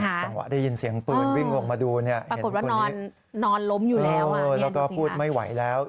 จังหวะได้ยินเสียงปืนวิ่งลงมาดูเนี่ยเห็นว่านอนล้มอยู่แล้วแล้วก็พูดไม่ไหวแล้ว